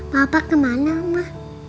papa kemana mama